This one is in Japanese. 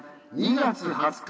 月２０日